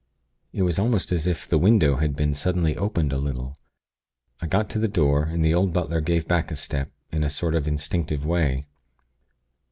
It was almost as if the window had been suddenly opened a little. I got to the door, and the old butler gave back a step, in a sort of instinctive way.